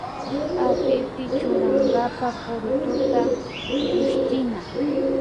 Apipi churankapa purututa llushtina